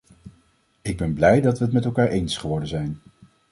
Ik ben blij dat we het met elkaar eens geworden zijn.